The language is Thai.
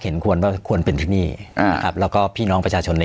เห็นควรว่าควรเป็นที่นี่นะครับแล้วก็พี่น้องประชาชนใน